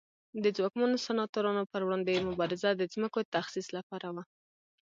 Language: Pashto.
د ځواکمنو سناتورانو پر وړاندې یې مبارزه د ځمکو تخصیص لپاره وه